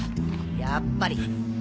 やっぱり。